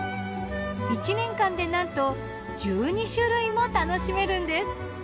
１年間でなんと１２種類も楽しめるんです。